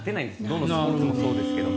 どのスポーツもそうですけど。